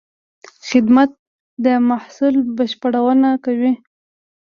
خدمت د محصول بشپړونه کوي.